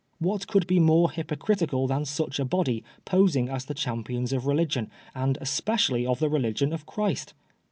What could be more hypocritical than such a body posing as the champions of religion, and especially of the religion of Christ